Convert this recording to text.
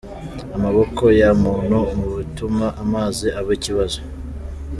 Amaboko ya muntu, mu bituma amazi aba ikibazo.